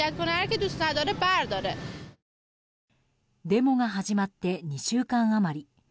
デモが始まって２週間余り。